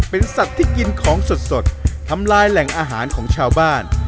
เป็นสัตว์ที่กินของสดทำลายแหล่งอาหารของชาวบ้าน